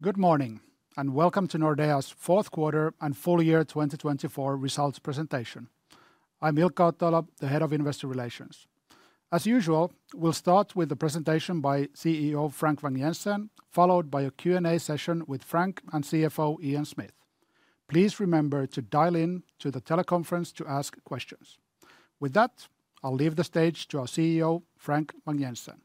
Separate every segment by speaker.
Speaker 1: Good morning and welcome to Nordea's fourth quarter and full year 2024 results presentation. I'm Ilkka Ottoila, the Head of Investor Relations. As usual, we'll start with the presentation by CEO Frank Vang-Jensen, followed by a Q&A session with Frank and CFO Ian Smith. Please remember to dial in to the teleconference to ask questions. With that, I'll leave the stage to our CEO, Frank Vang-Jensen.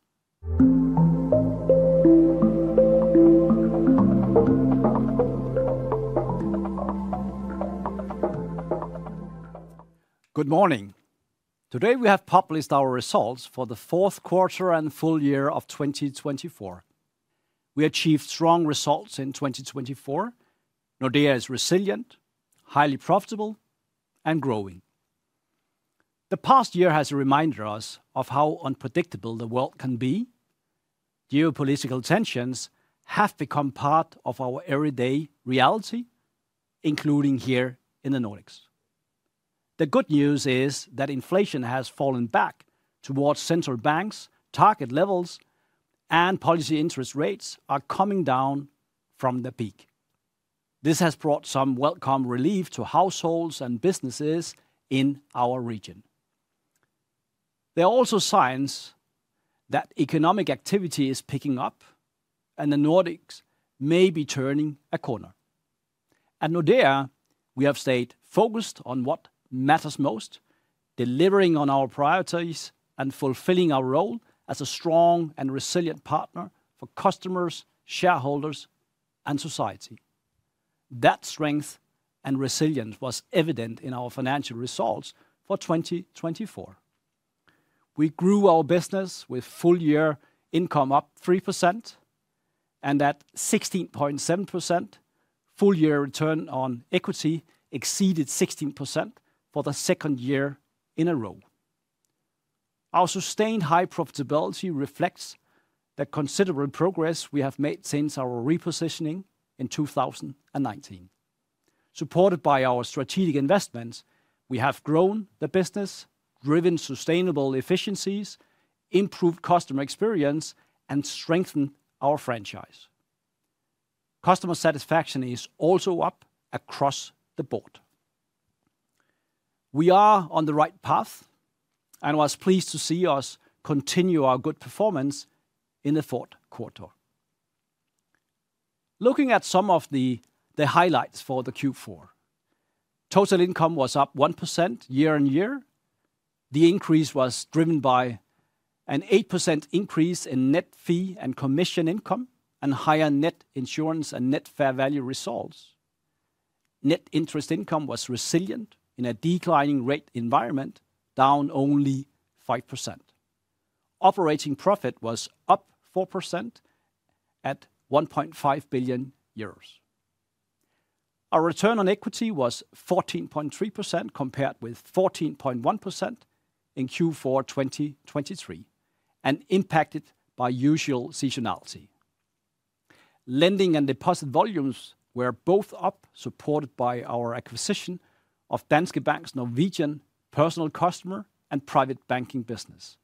Speaker 2: Good morning. Today we have published our results for the fourth quarter and full year of 2024. We achieved strong results in 2024. Nordea is resilient, highly profitable, and growing. The past year has reminded us of how unpredictable the world can be. Geopolitical tensions have become part of our everyday reality, including here in the Nordics. The good news is that inflation has fallen back towards central banks' target levels, and policy interest rates are coming down from the peak. This has brought some welcome relief to households and businesses in our region. There are also signs that economic activity is picking up, and the Nordics may be turning a corner. At Nordea, we have stayed focused on what matters most: delivering on our priorities and fulfilling our role as a strong and resilient partner for customers, shareholders, and society. That strength and resilience was evident in our financial results for 2024. We grew our business with full year income up 3%, and at 16.7%, full year return on equity exceeded 16% for the second year in a row. Our sustained high profitability reflects the considerable progress we have made since our repositioning in 2019. Supported by our strategic investments, we have grown the business, driven sustainable efficiencies, improved customer experience, and strengthened our franchise. Customer satisfaction is also up across the board. We are on the right path, and I was pleased to see us continue our good performance in the fourth quarter. Looking at some of the highlights for the Q4, total income was up 1% year on year. The increase was driven by an 8% increase in net fee and commission income and higher net insurance and net fair value results. Net interest income was resilient in a declining rate environment, down only 5%. Operating profit was up 4% at 1.5 billion euros. Our return on equity was 14.3% compared with 14.1% in Q4 2023, and impacted by usual seasonality. Lending and deposit volumes were both up, supported by our acquisition of Danske Bank's Norwegian personal customer and private banking business,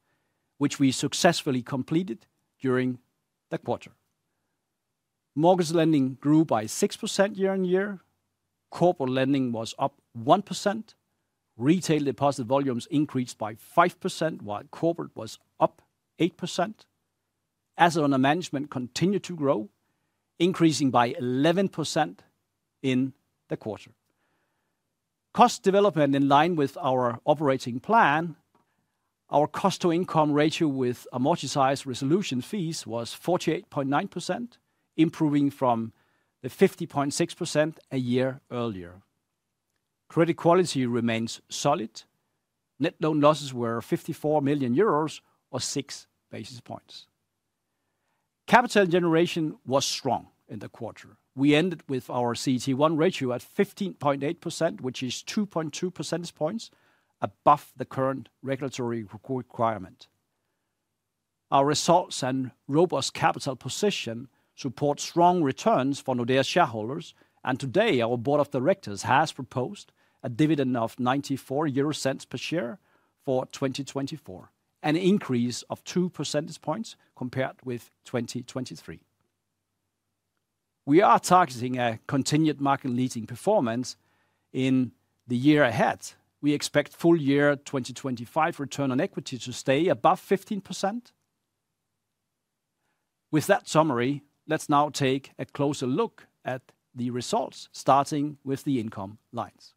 Speaker 2: which we successfully completed during the quarter. Mortgage lending grew by 6% year on year. Corporate lending was up 1%. Retail deposit volumes increased by 5%, while corporate was up 8%. Assets under management continued to grow, increasing by 11% in the quarter. Cost development in line with our operating plan. Our cost-to-income ratio with amortized resolution fees was 48.9%, improving from the 50.6% a year earlier. Credit quality remains solid. Net loan losses were 54 million euros or six basis points. Capital generation was strong in the quarter. We ended with our CET1 ratio at 15.8%, which is 2.2 percentage points above the current regulatory requirement. Our results and robust capital position support strong returns for Nordea's shareholders, and today our board of directors has proposed a dividend of 0.94 per share for 2024, an increase of two percentage points compared with 2023. We are targeting a continued market-leading performance in the year ahead. We expect full year 2025 return on equity to stay above 15%. With that summary, let's now take a closer look at the results, starting with the income lines.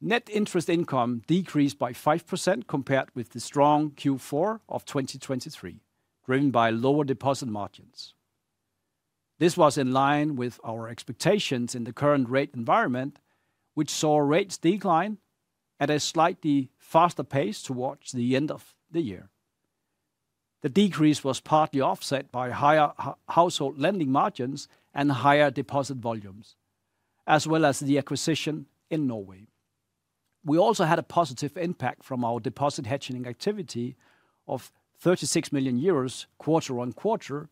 Speaker 2: Net interest income decreased by 5% compared with the strong Q4 of 2023, driven by lower deposit margins. This was in line with our expectations in the current rate environment, which saw rates decline at a slightly faster pace towards the end of the year. The decrease was partly offset by higher household lending margins and higher deposit volumes, as well as the acquisition in Norway. We also had a positive impact from our deposit hedging activity of 36 million euros quarter on quarter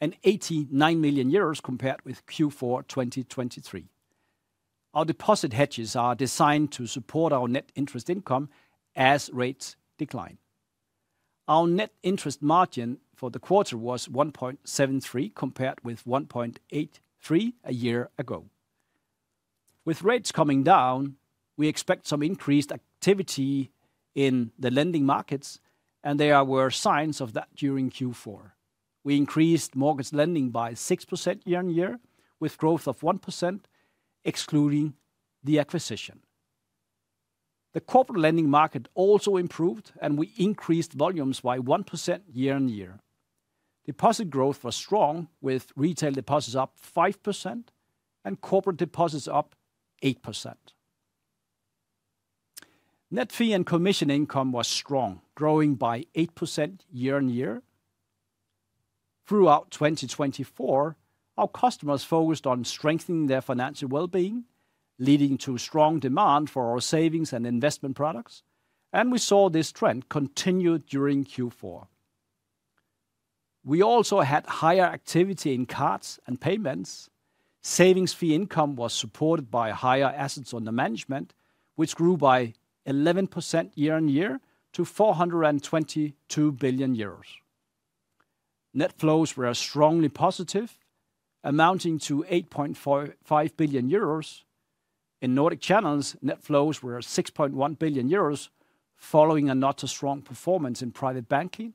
Speaker 2: and 89 million euros compared with Q4 2023. Our deposit hedges are designed to support our net interest income as rates decline. Our net interest margin for the quarter was 1.73 compared with 1.83 a year ago. With rates coming down, we expect some increased activity in the lending markets, and there were signs of that during Q4. We increased mortgage lending by 6% year on year, with growth of 1% excluding the acquisition. The corporate lending market also improved, and we increased volumes by 1% year on year. Deposit growth was strong, with retail deposits up 5% and corporate deposits up 8%. Net fee and commission income was strong, growing by 8% year on year. Throughout 2024, our customers focused on strengthening their financial well-being, leading to strong demand for our savings and investment products, and we saw this trend continue during Q4. We also had higher activity in cards and payments. Savings fee income was supported by higher assets under management, which grew by 11% year on year to 422 billion euros. Net flows were strongly positive, amounting to 8.5 billion euros. In Nordic channels, net flows were 6.1 billion euros, following a not-so-strong performance in private banking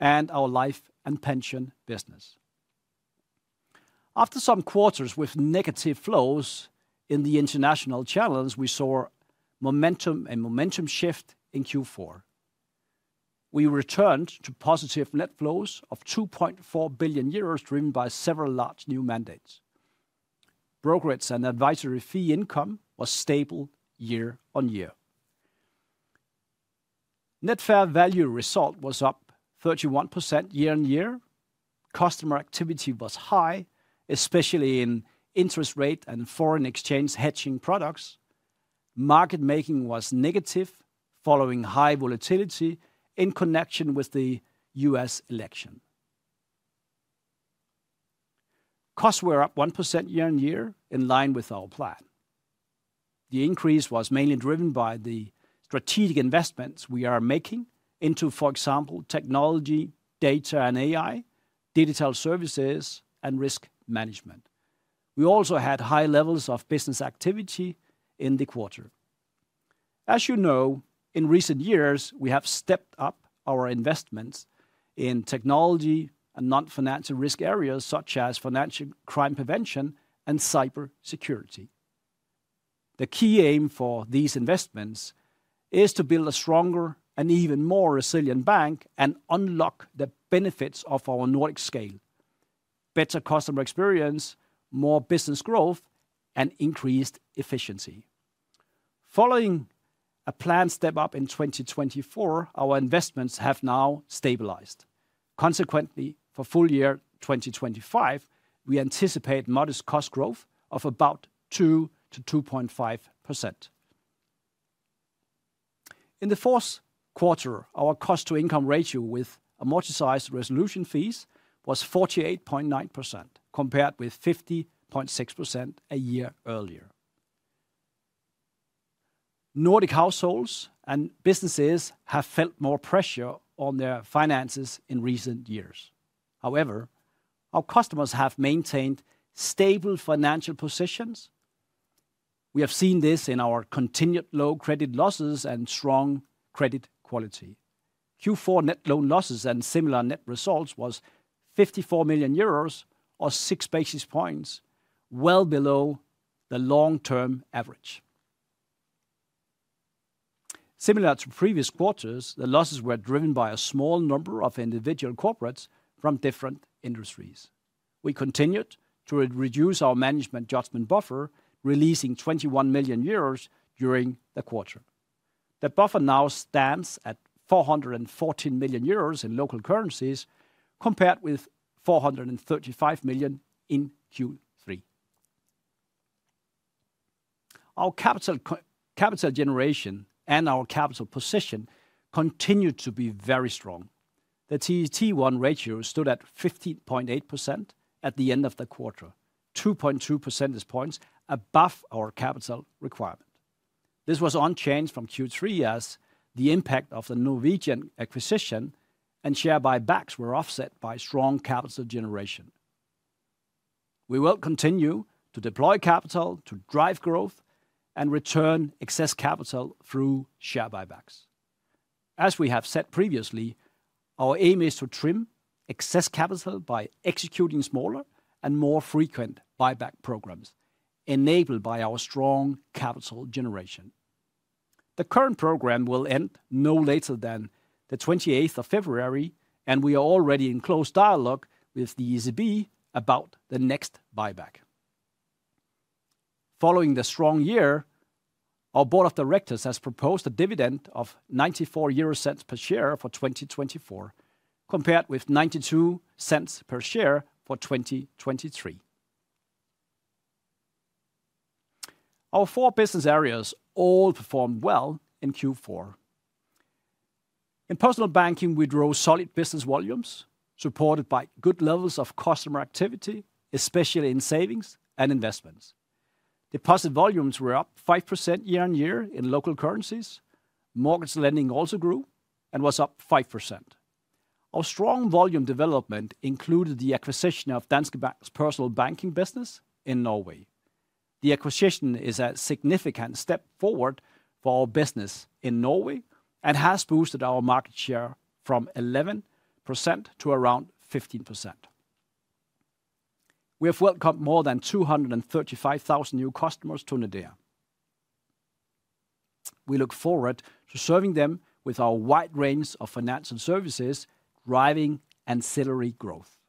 Speaker 2: and our life and pension business. After some quarters with negative flows in the international channels, we saw momentum shift in Q4. We returned to positive net flows of 2.4 billion euros, driven by several large new mandates. Brokerage and advisory fee income was stable year on year. Net fair value result was up 31% year on year. Customer activity was high, especially in interest rate and foreign exchange hedging products. Market making was negative following high volatility in connection with the U.S. election. Costs were up 1% year on year, in line with our plan. The increase was mainly driven by the strategic investments we are making into, for example, technology, data, and AI, digital services, and risk management. We also had high levels of business activity in the quarter. As you know, in recent years, we have stepped up our investments in technology and non-financial risk areas such as financial crime prevention and cybersecurity. The key aim for these investments is to build a stronger and even more resilient bank and unlock the benefits of our Nordic scale: better customer experience, more business growth, and increased efficiency. Following a planned step up in 2024, our investments have now stabilized. Consequently, for full year 2025, we anticipate modest cost growth of about 2% to 2.5%. In the fourth quarter, our cost-to-income ratio with amortized resolution fees was 48.9% compared with 50.6% a year earlier. Nordic households and businesses have felt more pressure on their finances in recent years. However, our customers have maintained stable financial positions. We have seen this in our continued low credit losses and strong credit quality. Q4 net loan losses and similar net results were 54 million euros or six basis points, well below the long-term average. Similar to previous quarters, the losses were driven by a small number of individual corporates from different industries. We continued to reduce our management judgment buffer, releasing 21 million euros during the quarter. The buffer now stands at 414 million euros in local currencies, compared with 435 million in Q3. Our capital generation and our capital position continue to be very strong. The CET1 ratio stood at 15.8% at the end of the quarter, 2.2 percentage points above our capital requirement. This was unchanged from Q3, as the impact of the Norwegian acquisition and share buybacks were offset by strong capital generation. We will continue to deploy capital to drive growth and return excess capital through share buybacks. As we have said previously, our aim is to trim excess capital by executing smaller and more frequent buyback programs, enabled by our strong capital generation. The current program will end no later than the 28th of February, and we are already in close dialogue with the ECB about the next buyback. Following the strong year, our board of directors has proposed a dividend of 0.94 per share for 2024, compared with 0.92 per share for 2023. Our four business areas all performed well in Q4. In Personal Banking, we drove solid business volumes, supported by good levels of customer activity, especially in savings and investments. Deposit volumes were up 5% year on year in local currencies. Mortgage lending also grew and was up 5%. Our strong volume development included the acquisition of Danske Bank's Personal Banking business in Norway. The acquisition is a significant step forward for our business in Norway and has boosted our market share from 11% to around 15%. We have welcomed more than 235,000 new customers to Nordea. We look forward to serving them with our wide range of finance and services, driving ancillary growth.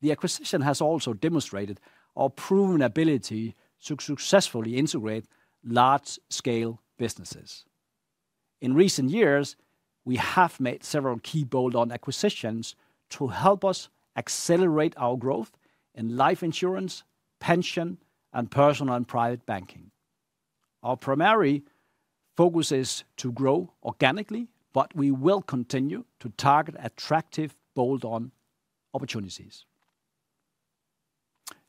Speaker 2: The acquisition has also demonstrated our proven ability to successfully integrate large-scale businesses. In recent years, we have made several key bolt-on acquisitions to help us accelerate our growth in life insurance, pension, and personal and private banking. Our primary focus is to grow organically, but we will continue to target attractive bolt-on opportunities.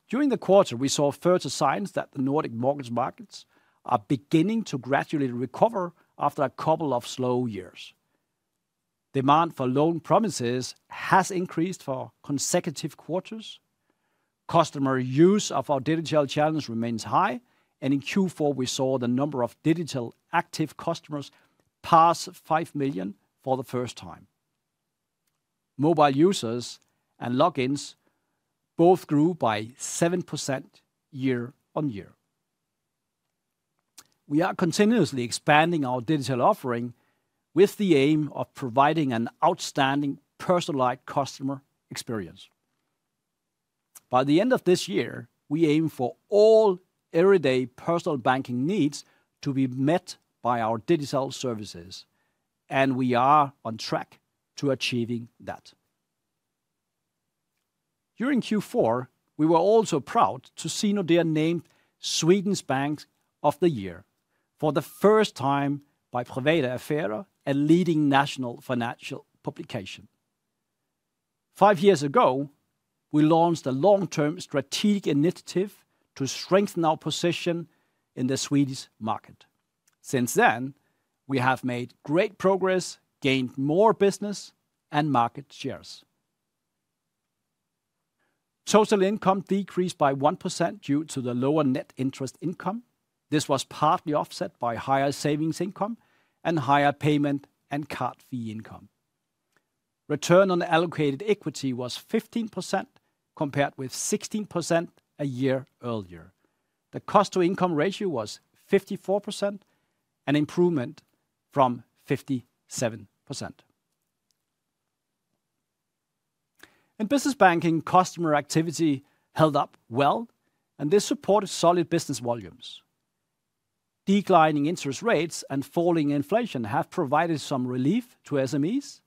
Speaker 2: During the quarter, we saw further signs that the Nordic mortgage markets are beginning to gradually recover after a couple of slow years. Demand for loan promises has increased for consecutive quarters. Customer use of our digital channels remains high, and in Q4, we saw the number of digital active customers pass 5 million for the first time. Mobile users and logins both grew by 7% year on year. We are continuously expanding our digital offering with the aim of providing an outstanding personalized customer experience. By the end of this year, we aim for all everyday Personal Banking needs to be met by our digital services, and we are on track to achieving that. During Q4, we were also proud to see Nordea named Sweden's Bank of the Year for the first time by Privata Affärer, a leading national financial publication. Five years ago, we launched a long-term strategic initiative to strengthen our position in the Swedish market. Since then, we have made great progress, gained more business and market shares. Total income decreased by 1% due to the lower net interest income. This was partly offset by higher savings income and higher payment and card fee income. Return on allocated equity was 15% compared with 16% a year earlier. The cost-to-income ratio was 54%, an improvement from 57%. In Business Banking, customer activity held up well, and this supported solid business volumes. Declining interest rates and falling inflation have provided some relief to SMEs,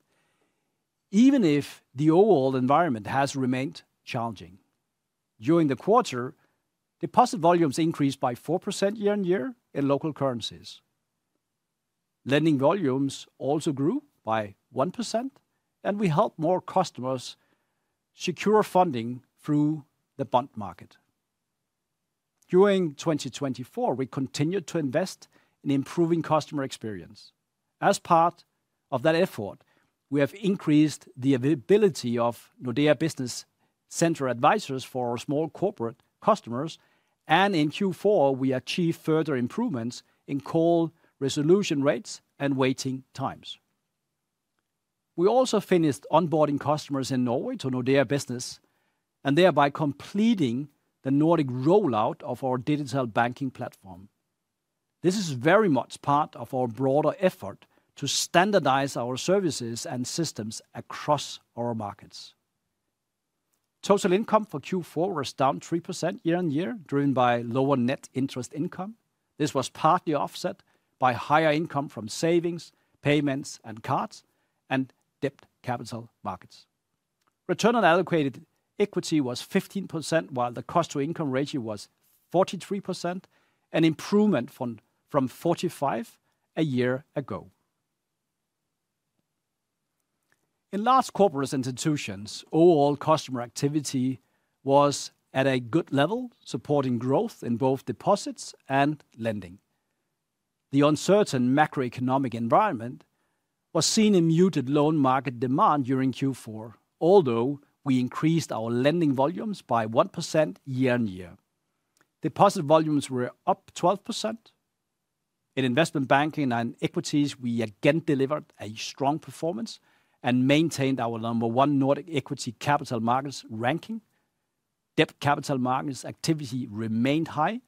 Speaker 2: even if the overall environment has remained challenging. During the quarter, deposit volumes increased by 4% year on year in local currencies. Lending volumes also grew by 1%, and we helped more customers secure funding through the bond market. During 2024, we continued to invest in improving customer experience. As part of that effort, we have increased the availability of Nordea Business Centre advisors for our small corporate customers, and in Q4, we achieved further improvements in call resolution rates and waiting times. We also finished onboarding customers in Norway to Nordea Business and thereby completing the Nordic rollout of our digital banking platform. This is very much part of our broader effort to standardize our services and systems across our markets. Total income for Q4 was down 3% year on year, driven by lower net interest income. This was partly offset by higher income from savings, payments, and cards, and debt capital markets. Return on allocated equity was 15%, while the cost-to-income ratio was 43%, an improvement from 45% a year ago. In Large Corporates and Institutions, overall customer activity was at a good level, supporting growth in both deposits and lending. The uncertain macroeconomic environment was seen in muted loan market demand during Q4, although we increased our lending volumes by 1% year on year. Deposit volumes were up 12%. In investment banking and equities, we again delivered a strong performance and maintained our number one Nordic equity capital markets ranking. Debt capital markets activity remained high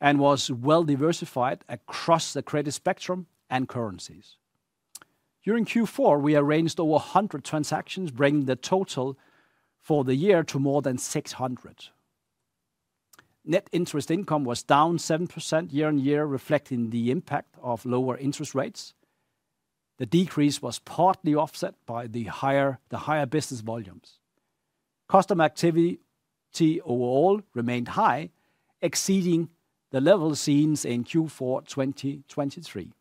Speaker 2: and was well-diversified across the credit spectrum and currencies. During Q4, we arranged over 100 transactions, bringing the total for the year to more than 600. Net interest income was down 7% year on year, reflecting the impact of lower interest rates. The decrease was partly offset by the higher business volumes. Customer activity overall remained high, exceeding the level seen in Q4 2023.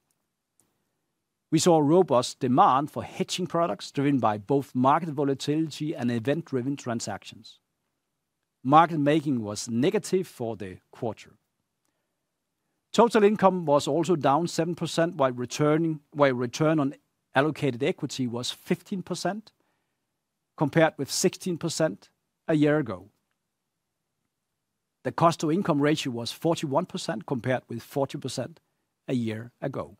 Speaker 2: We saw robust demand for hedging products, driven by both market volatility and event-driven transactions. Market making was negative for the quarter. Total income was also down 7%, while return on allocated equity was 15% compared with 16% a year ago. The cost-to-income ratio was 41% compared with 40% a year ago.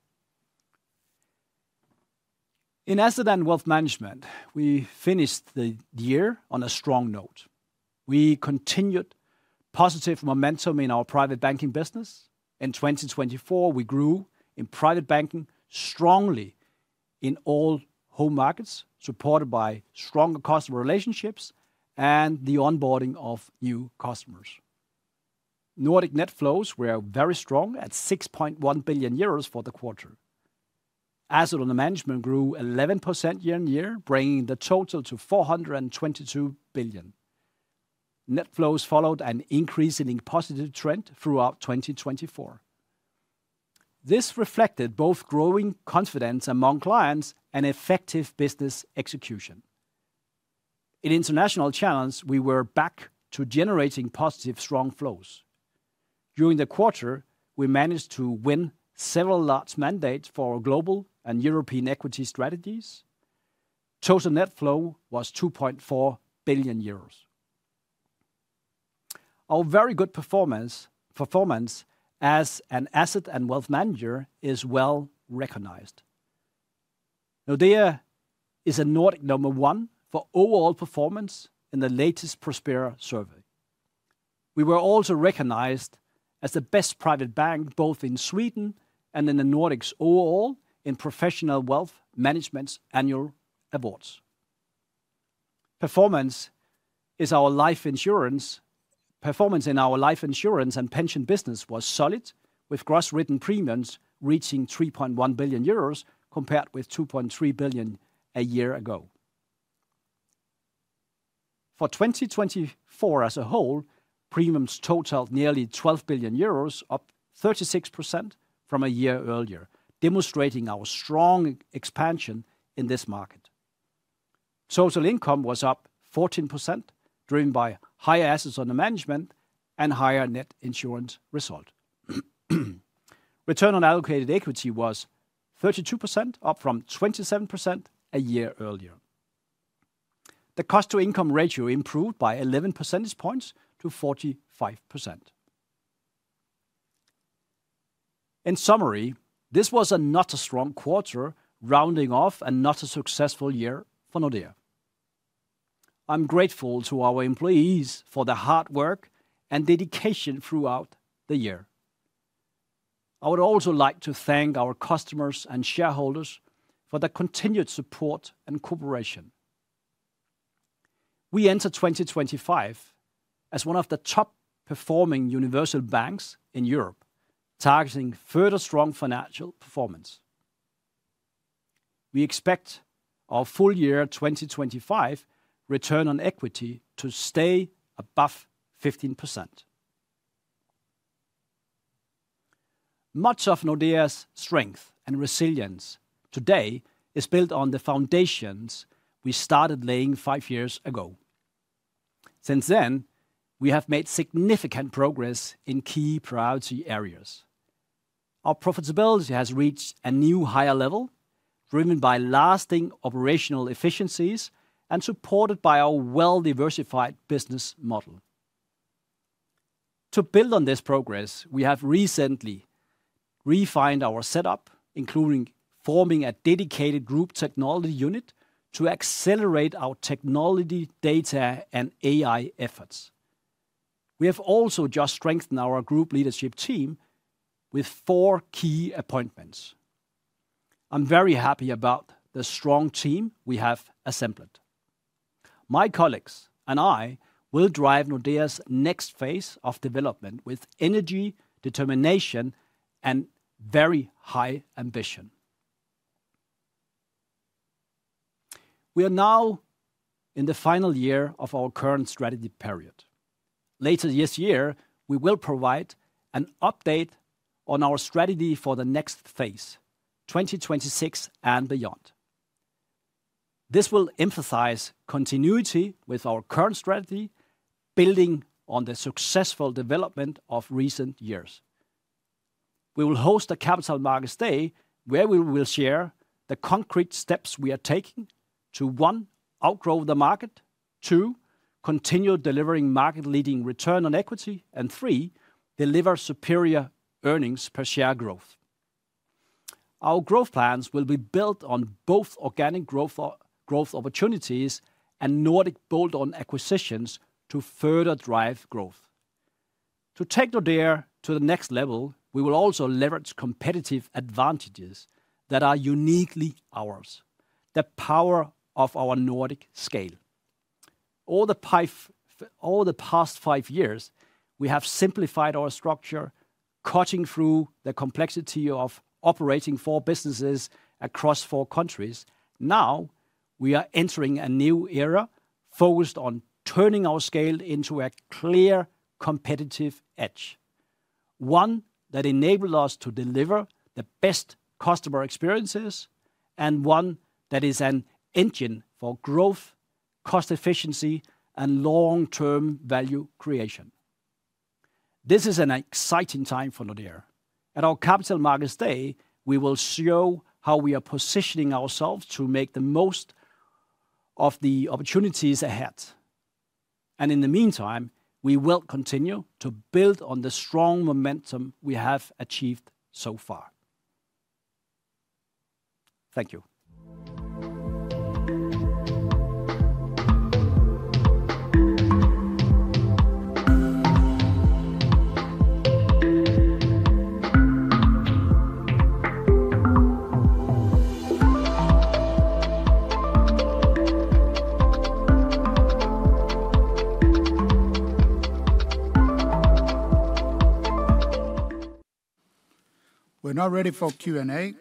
Speaker 2: In Asset and Wealth Management, we finished the year on a strong note. We continued positive momentum in our private banking business. In 2024, we grew in private banking strongly in all home markets, supported by stronger customer relationships and the onboarding of new customers. Nordic net flows were very strong at 6.1 billion euros for the quarter. Assets under management grew 11% year on year, bringing the total to 422 billion. Net flows followed an increasing positive trend throughout 2024. This reflected both growing confidence among clients and effective business execution. In international channels, we were back to generating positive strong flows. During the quarter, we managed to win several large mandates for our global and European equity strategies. Total net flow was 2.4 billion euros. Our very good performance as an asset and wealth manager is well recognized. Nordea is a Nordic number one for overall performance in the latest Prospera survey. We were also recognized as the best private bank, both in Sweden and in the Nordics overall, in Professional Wealth Management's annual awards. Performance is our life insurance. Performance in our life insurance and pension business was solid, with gross written premiums reaching 3.1 billion euros compared with 2.3 billion a year ago. For 2024 as a whole, premiums totaled nearly 12 billion euros, up 36% from a year earlier, demonstrating our strong expansion in this market. Total income was up 14%, driven by higher assets under management and higher net insurance result. Return on allocated equity was 32%, up from 27% a year earlier. The cost-to-income ratio improved by 11 percentage points to 45%. In summary, this was not a strong quarter, rounding off a not-so-successful year for Nordea. I'm grateful to our employees for the hard work and dedication throughout the year. I would also like to thank our customers and shareholders for the continued support and cooperation. We enter 2025 as one of the top-performing universal banks in Europe, targeting further strong financial performance. We expect our full year 2025 return on equity to stay above 15%. Much of Nordea's strength and resilience today is built on the foundations we started laying five years ago. Since then, we have made significant progress in key priority areas. Our profitability has reached a new higher level, driven by lasting operational efficiencies and supported by our well-diversified business model. To build on this progress, we have recently refined our setup, including forming a dedicated group technology unit to accelerate our technology, data, and AI efforts. We have also just strengthened our group leadership team with four key appointments. I'm very happy about the strong team we have assembled. My colleagues and I will drive Nordea's next phase of development with energy, determination, and very high ambition. We are now in the final year of our current strategy period. Later this year, we will provide an update on our strategy for the next phase, 2026 and beyond. This will emphasize continuity with our current strategy, building on the successful development of recent years. We will host a Capital Markets Day, where we will share the concrete steps we are taking to, one, outgrow the market, two, continue delivering market-leading return on equity, and three, deliver superior earnings per share growth. Our growth plans will be built on both organic growth opportunities and Nordic bolt-on acquisitions to further drive growth. To take Nordea to the next level, we will also leverage competitive advantages that are uniquely ours, the power of our Nordic scale. All the past five years, we have simplified our structure, cutting through the complexity of operating four businesses across four countries. Now, we are entering a new era focused on turning our scale into a clear competitive edge, one that enables us to deliver the best customer experiences and one that is an engine for growth, cost efficiency, and long-term value creation. This is an exciting time for Nordea. At our Capital Markets Day, we will show how we are positioning ourselves to make the most of the opportunities ahead, and in the meantime, we will continue to build on the strong momentum we have achieved so far. Thank you. We're now ready for Q&A,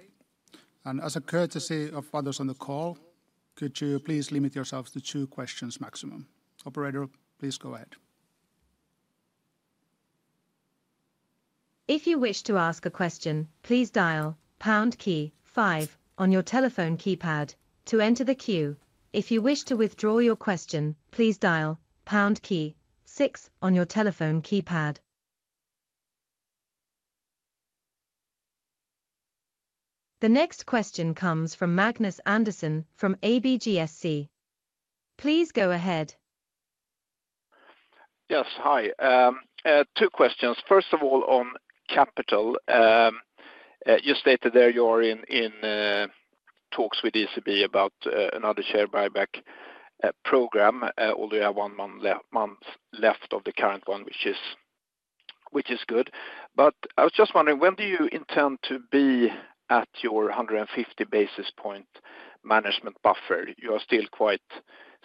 Speaker 2: and as a courtesy of others on the call, could you please limit yourselves to two questions maximum? Operator, please go ahead. If you wish to ask a question, please dial key five on your telephone keypad to enter the queue. If you wish to withdraw your question, please dial key six on your telephone keypad. The next question comes from Magnus Andersson from ABGSC. Please go ahead. Yes, hi. Two questions. First of all, on capital, you stated there you are in talks with ECB about another share buyback program, although you have one month left of the current one, which is good. But I was just wondering, when do you intend to be at your 150 basis point management buffer? You are still quite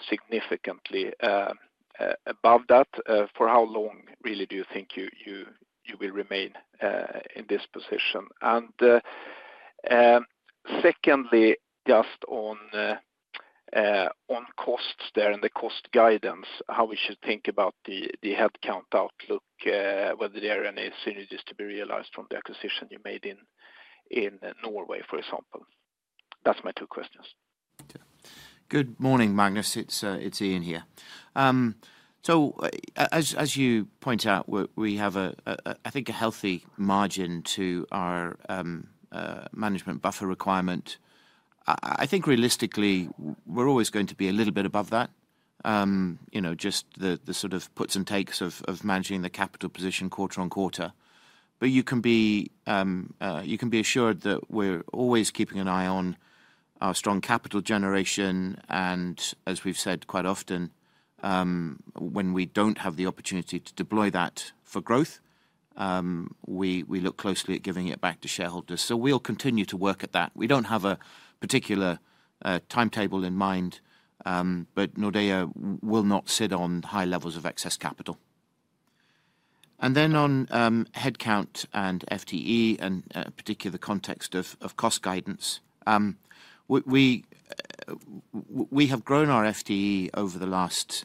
Speaker 2: significantly above that. For how long, really, do you think you will remain in this position? And secondly, just on costs there and the cost guidance, how we should think about the headcount outlook, whether there are any synergies to be realized from the acquisition you made in Norway, for example? That's my two questions. Good morning, Magnus. It's Ian here. So as you point out, we have, I think, a healthy margin to our management buffer requirement. I think realistically, we're always going to be a little bit above that, just the sort of puts and takes of managing the capital position quarter on quarter. But you can be assured that we're always keeping an eye on our strong capital generation. And as we've said quite often, when we don't have the opportunity to deploy that for growth, we look closely at giving it back to shareholders. So we'll continue to work at that. We don't have a particular timetable in mind, but Nordea will not sit on high levels of excess capital. And then on headcount and FTE, and particularly the context of cost guidance, we have grown our FTE over the last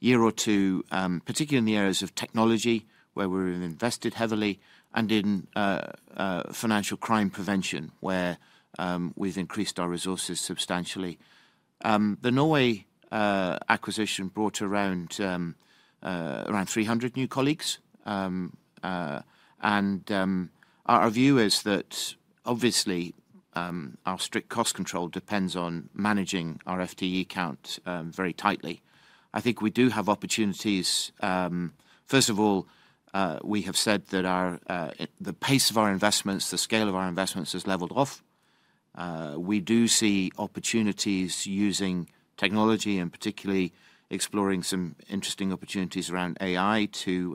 Speaker 2: year or two, particularly in the areas of technology, where we've invested heavily, and in financial crime prevention, where we've increased our resources substantially. The Norway acquisition brought around 300 new colleagues. Our view is that, obviously, our strict cost control depends on managing our FTE count very tightly. I think we do have opportunities. First of all, we have said that the pace of our investments, the scale of our investments has leveled off. We do see opportunities using technology, and particularly exploring some interesting opportunities around AI to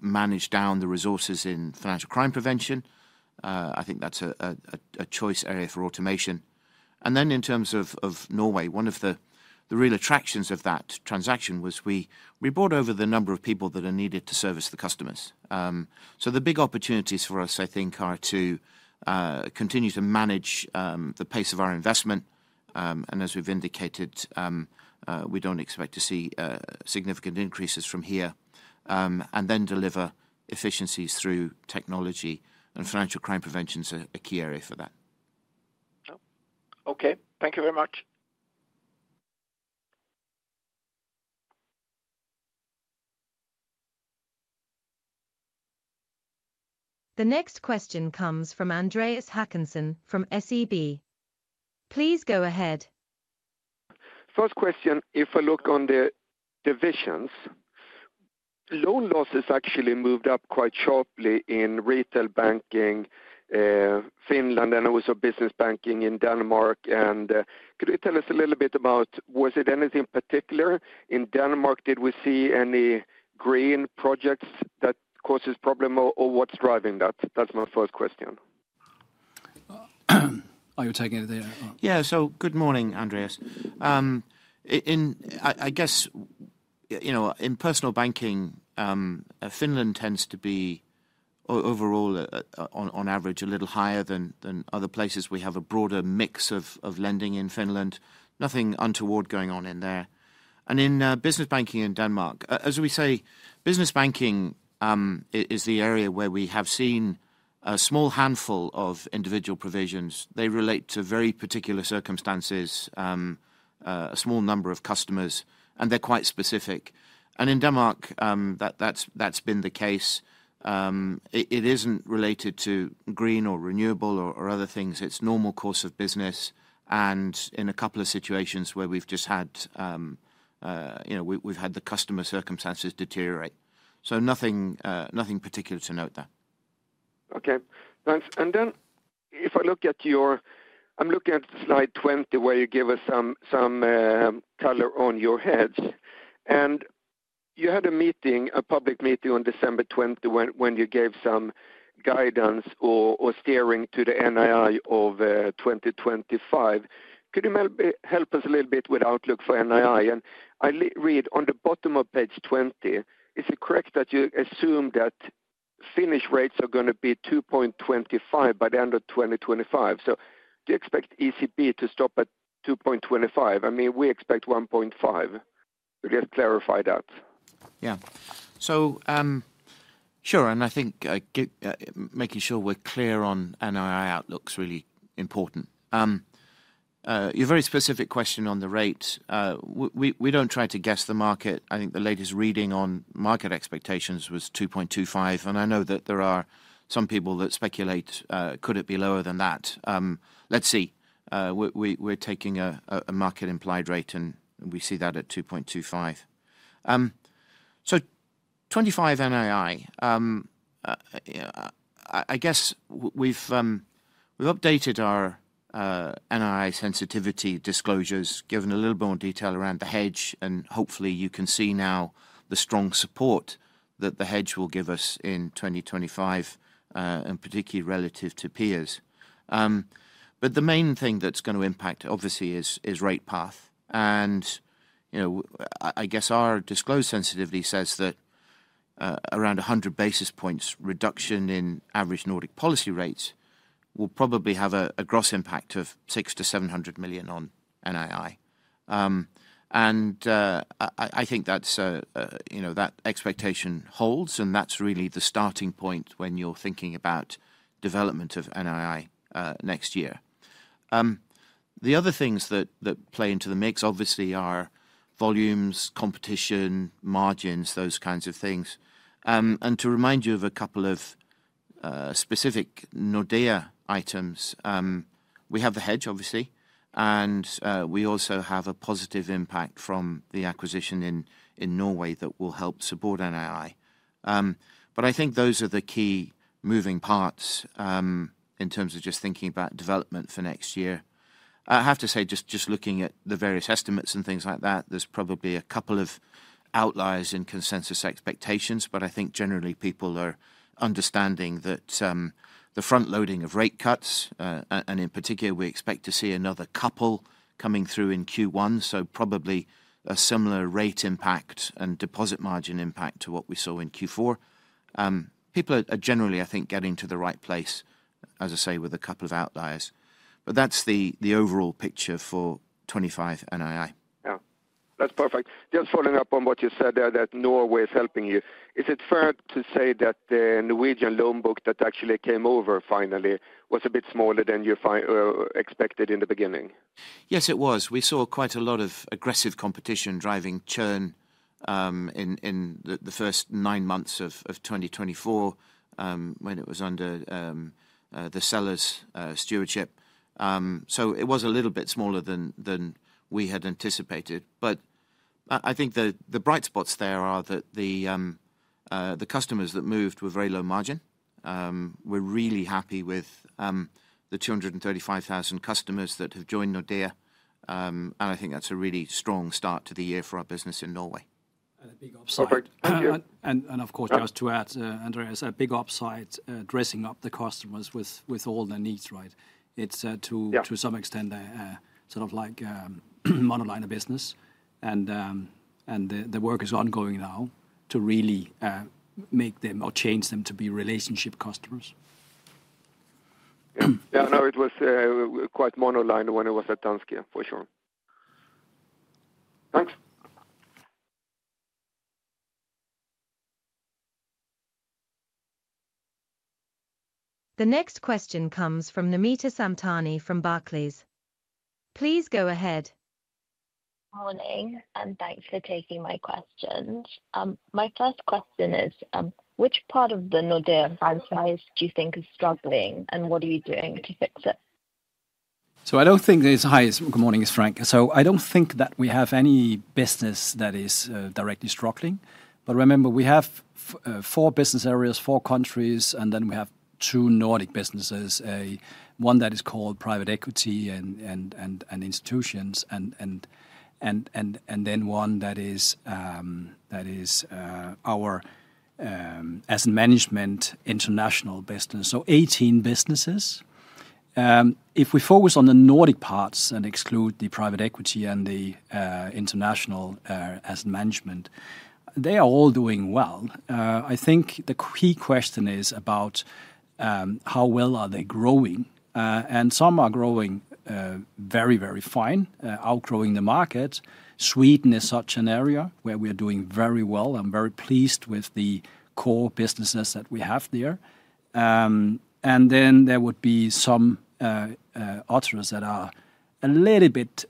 Speaker 2: manage down the resources in financial crime prevention. I think that's a choice area for automation. Then in terms of Norway, one of the real attractions of that transaction was we brought over the number of people that are needed to service the customers. The big opportunities for us, I think, are to continue to manage the pace of our investment. As we've indicated, we don't expect to see significant increases from here, then deliver efficiencies through technology. Financial crime prevention is a key area for that. Okay. Thank you very much. The next question comes from Andreas Håkansson from SEB. Please go ahead. First question, if I look on the divisions, loan losses actually moved up quite sharply in retail banking, Finland, and also Business Banking in Denmark. Could you tell us a little bit about, was it anything particular in Denmark? Did we see any green projects that caused this problem, or what's driving that? That's my first question. Are you taking it there? Yeah. Good morning, Andreas. I guess in Personal Banking, Finland tends to be overall, on average, a little higher than other places. We have a broader mix of lending in Finland. Nothing untoward going on in there. In Business Banking in Denmark, as we say, Business Banking is the area where we have seen a small handful of individual provisions. They relate to very particular circumstances, a small number of customers, and they're quite specific. And in Denmark, that's been the case. It isn't related to green or renewable or other things. It's normal course of business. And in a couple of situations where we've just had, we've had the customer circumstances deteriorate. So nothing particular to note there. Okay. Thanks. And then if I look at your, I'm looking at slide 20, where you gave us some color on your hedges. And you had a meeting, a public meeting on December 20, when you gave some guidance or steering to the NII of 2025. Could you help us a little bit with outlook for NII? I read on the bottom of page 20, is it correct that you assume that Finnish rates are going to be 2.25 by the end of 2025? So do you expect ECB to stop at 2.25? I mean, we expect 1.5. Could you just clarify that? Yeah. So sure. I think making sure we're clear on NII outlook is really important. Your very specific question on the rate, we don't try to guess the market. I think the latest reading on market expectations was 2.25. And I know that there are some people that speculate, could it be lower than that? Let's see. We're taking a market implied rate, and we see that at 2.25. So 25 NII. I guess we've updated our NII sensitivity disclosures, given a little bit more detail around the hedge. And hopefully, you can see now the strong support that the hedge will give us in 2025, and particularly relative to peers. But the main thing that's going to impact, obviously, is rate path. And I guess our disclosed sensitivity says that around 100 basis points reduction in average Nordic policy rates will probably have a gross impact of 600 million-700 million on NII. And I think that expectation holds. And that's really the starting point when you're thinking about development of NII next year. The other things that play into the mix, obviously, are volumes, competition, margins, those kinds of things. And to remind you of a couple of specific Nordea items, we have the hedge, obviously. And we also have a positive impact from the acquisition in Norway that will help support NII. But I think those are the key moving parts in terms of just thinking about development for next year. I have to say, just looking at the various estimates and things like that, there's probably a couple of outliers in consensus expectations. But I think generally, people are understanding that the front-loading of rate cuts, and in particular, we expect to see another couple coming through in Q1, so probably a similar rate impact and deposit margin impact to what we saw in Q4. People are generally, I think, getting to the right place, as I say, with a couple of outliers. But that's the overall picture for 25 NII. Yeah. That's perfect. Just following up on what you said there, that Norway is helping you. Is it fair to say that the Norwegian loan book that actually came over finally was a bit smaller than you expected in the beginning? Yes, it was. We saw quite a lot of aggressive competition driving churn in the first nine months of 2024 when it was under the seller's stewardship. So it was a little bit smaller than we had anticipated. But I think the bright spots there are that the customers that moved were very low margin. We're really happy with the 235,000 customers that have joined Nordea. And I think that's a really strong start to the year for our business in Norway. And a big upside. Thank you. And of course, just to add, Andreas, a big upside dressing up the customers with all their needs, right? It's to some extent sort of like monoline a business. And the work is ongoing now to really make them or change them to be relationship customers. Yeah. No, it was quite monoline when it was at Danske, for sure. Thanks. The next question comes from Namita Samtani from Barclays. Please go ahead. Good morning, and thanks for taking my questions. My first question is, which part of the Nordea franchise do you think is struggling, and what are you doing to fix it? So, I don't think there's a highest. Good morning, Frank. So, I don't think that we have any business that is directly struggling. But, remember, we have four business areas, four countries, and then we have two Nordic businesses, one that is called private equity and institutions, and then one that is our asset management international business. So, 18 businesses. If we focus on the Nordic parts and exclude the private equity and the international asset management, they are all doing well. I think the key question is about how well are they growing. And some are growing very, very fine, outgrowing the market. Sweden is such an area where we are doing very well. I'm very pleased with the core businesses that we have there. And then there would be some others that are a little bit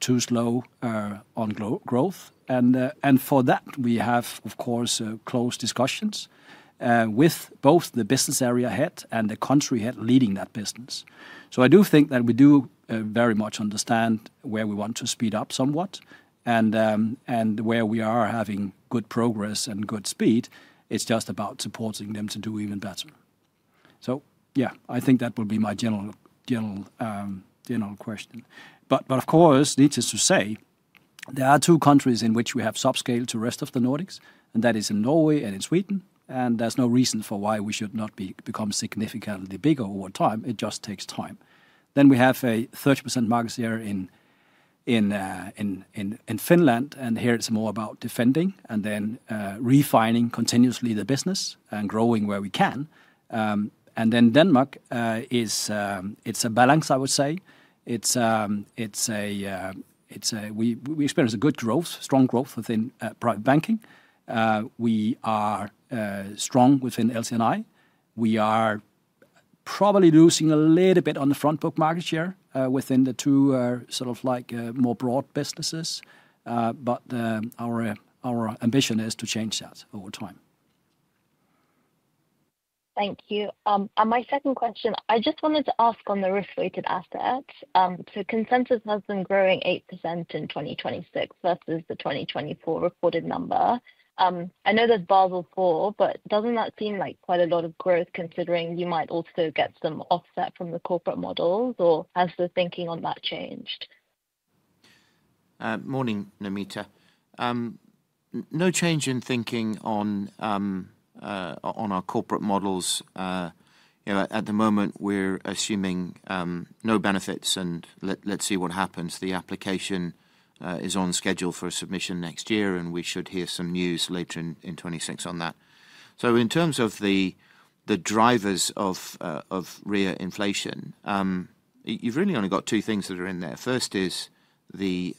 Speaker 2: too slow on growth. And for that, we have, of course, had discussions with both the business area head and the country head leading that business. So I do think that we do very much understand where we want to speed up somewhat and where we are having good progress and good speed. It's just about supporting them to do even better. So yeah, I think that will be my general question. But of course, needless to say, there are two countries in which we have subscale to the rest of the Nordics, and that is in Norway and in Sweden. And there's no reason for why we should not become significantly bigger over time. It just takes time. Then we have a 30% market share in Finland. And here, it's more about defending and then refining continuously the business and growing where we can. And then Denmark, it's a balance, I would say. We experience a good growth, strong growth within private banking. We are strong within LC&I. We are probably losing a little bit on the front-book market share within the two sort of more broad businesses. But our ambition is to change that over time. Thank you. And my second question, I just wanted to ask on the risk-weighted assets. So consensus has been growing 8% in 2026 versus the 2024 reported number. I know there's Basel IV, but doesn't that seem like quite a lot of growth considering you might also get some offset from the corporate models? Or has the thinking on that changed? Morning, Nimita. No change in thinking on our corporate models. At the moment, we're assuming no benefits. And let's see what happens. The application is on schedule for submission next year, and we should hear some news later in 2026 on that. So in terms of the drivers of RWA inflation, you've really only got two things that are in there. First is the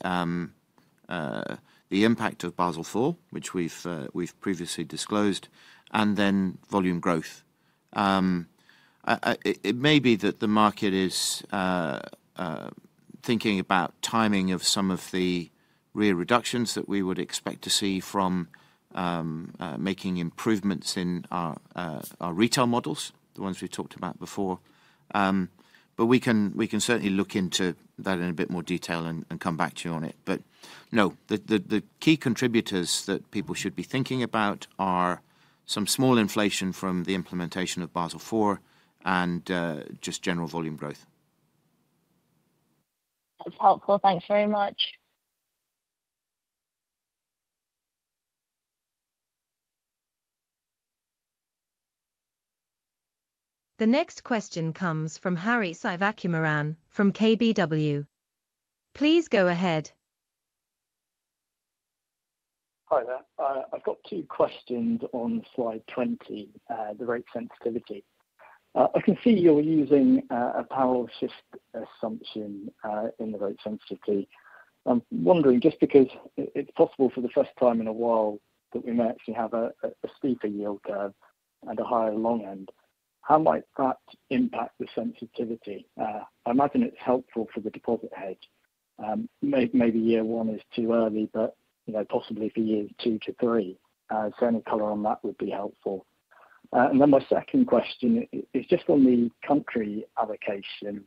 Speaker 2: impact of Basel IV, which we've previously disclosed, and then volume growth. It may be that the market is thinking about timing of some of the RWA reductions that we would expect to see from making improvements in our retail models, the ones we've talked about before. But we can certainly look into that in a bit more detail and come back to you on it. But no, the key contributors that people should be thinking about are some small inflation from the implementation of Basel IV and just general volume growth. That's helpful. Thanks very much. The next question comes from Hari Sivakumaran from KBW. Please go ahead. Hi there. I've got two questions on slide 20, the rate sensitivity. I can see you're using a parallel shift assumption in the rate sensitivity. I'm wondering, just because it's possible for the first time in a while that we may actually have a steeper yield curve and a higher long end, how might that impact the sensitivity? I imagine it's helpful for the deposit hedge. Maybe year one is too early, but possibly for year two to three, sending color on that would be helpful. And then my second question is just on the country allocation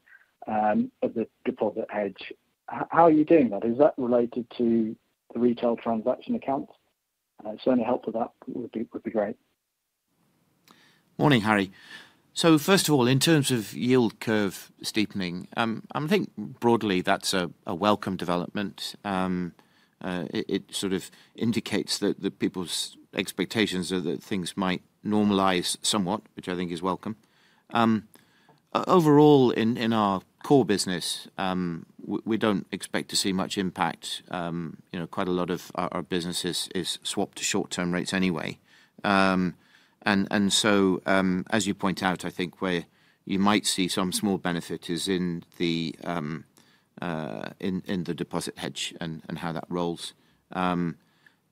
Speaker 2: of the deposit hedge. How are you doing that? Is that related to the retail transaction accounts? Certainly, help with that would be great. Morning, Hari. So first of all, in terms of yield curve steepening, I think broadly that's a welcome development. It sort of indicates that people's expectations are that things might normalize somewhat, which I think is welcome. Overall, in our core business, we don't expect to see much impact. Quite a lot of our businesses is swapped to short-term rates anyway. And so, as you point out, I think where you might see some small benefit is in the deposit hedge and how that rolls.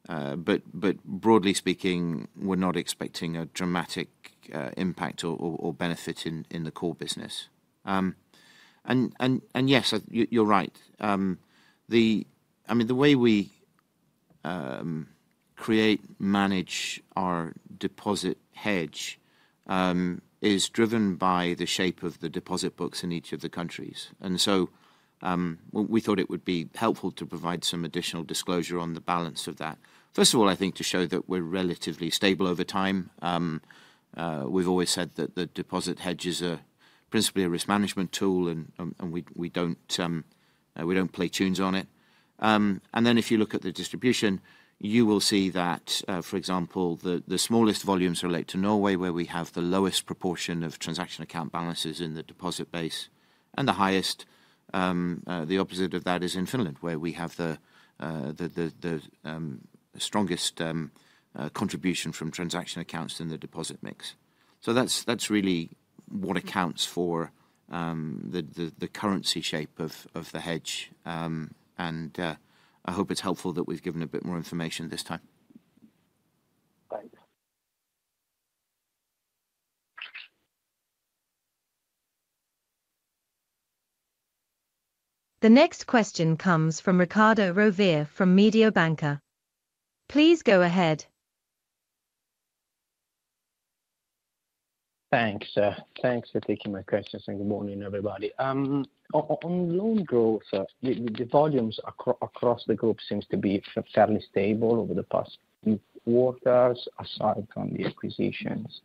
Speaker 2: But broadly speaking, we're not expecting a dramatic impact or benefit in the core business. And yes, you're right. I mean, the way we create, manage our deposit hedge is driven by the shape of the deposit books in each of the countries. And so we thought it would be helpful to provide some additional disclosure on the balance of that. First of all, I think to show that we're relatively stable over time. We've always said that the deposit hedge is principally a risk management tool, and we don't play tunes on it. Then if you look at the distribution, you will see that, for example, the smallest volumes relate to Norway, where we have the lowest proportion of transaction account balances in the deposit base. And the opposite of that is in Finland, where we have the strongest contribution from transaction accounts in the deposit mix. So that's really what accounts for the currency shape of the hedge. And I hope it's helpful that we've given a bit more information this time. Thanks. The next question comes from Riccardo Rovere from Mediobanca. Please go ahead. Thanks. Thanks for taking my questions. And good morning, everybody. On loan growth, the volumes across the group seem to be fairly stable over the past few quarters, aside from the acquisitions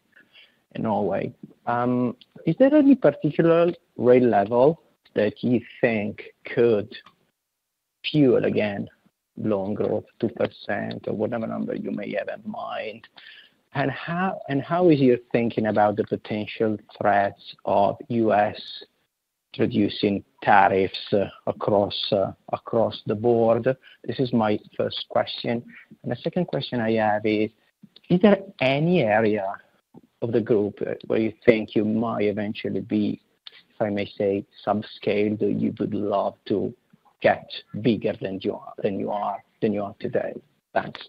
Speaker 2: in Norway. Is there any particular rate level that you think could fuel again loan growth, 2% or whatever number you may have in mind? And how is your thinking about the potential threats of U.S. introducing tariffs across the board? This is my first question. And the second question I have is, is there any area of the group where you think you might eventually be, if I may say, subscaled or you would love to get bigger than you are today? Thanks.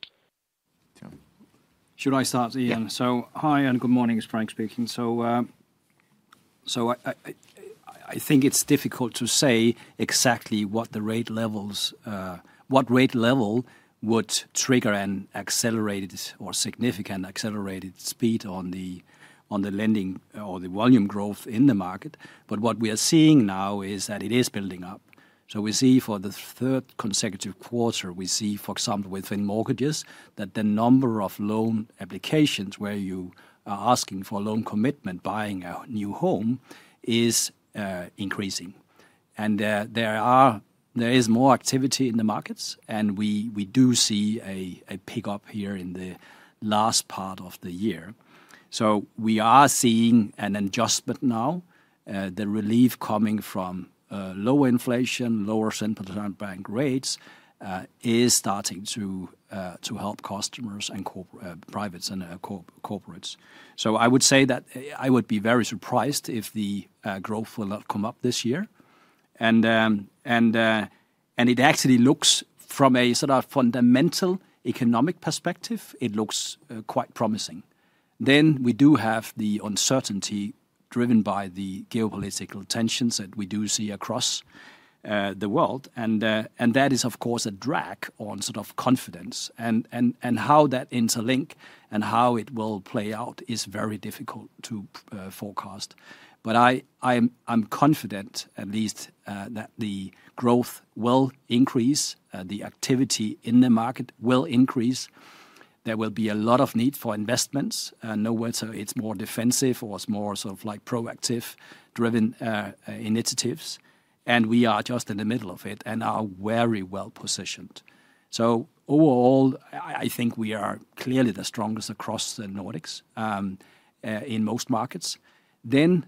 Speaker 2: Should I start, Ian? So hi and good morning, Frank speaking. So I think it's difficult to say exactly what rate level would trigger an accelerated or significant accelerated speed on the lending or the volume growth in the market. But what we are seeing now is that it is building up. So we see for the third consecutive quarter, we see, for example, within mortgages that the number of loan applications where you are asking for loan commitment, buying a new home, is increasing. And there is more activity in the markets, and we do see a pickup here in the last part of the year. So we are seeing an adjustment now. The relief coming from lower inflation, lower central bank rates is starting to help customers and privates and corporates. So I would say that I would be very surprised if the growth will not come up this year. And it actually looks from a sort of fundamental economic perspective, it looks quite promising. Then we do have the uncertainty driven by the geopolitical tensions that we do see across the world. And that is, of course, a drag on sort of confidence. And how that interlinks and how it will play out is very difficult to forecast. But I'm confident, at least, that the growth will increase. The activity in the market will increase. There will be a lot of need for investments. No worries, it's more defensive or it's more sort of like proactive-driven initiatives. And we are just in the middle of it and are very well positioned. So overall, I think we are clearly the strongest across the Nordics in most markets. Then